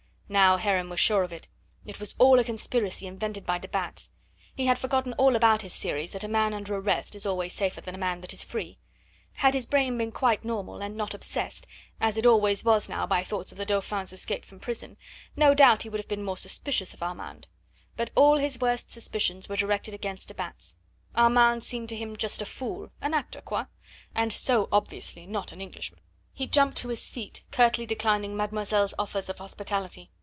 Now Heron was sure of it; it was all a conspiracy invented by de Batz. He had forgotten all about his theories that a man under arrest is always safer than a man that is free. Had his brain been quite normal, and not obsessed, as it always was now by thoughts of the Dauphin's escape from prison, no doubt he would have been more suspicious of Armand, but all his worst suspicions were directed against de Batz. Armand seemed to him just a fool, an actor quoi? and so obviously not an Englishman. He jumped to his feet, curtly declining mademoiselle's offers of hospitality.